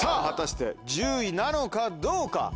果たして１０位なのかどうか。